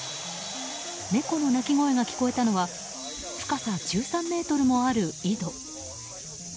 猫の鳴き声が聞こえたのは深さ１３ｍもある井戸。